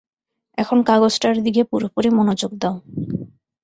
এখন কাগজটার দিকে পুরোপুরি মনোযোগ দাও।